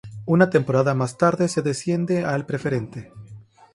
Una temporada más tarde se desciende a Preferente.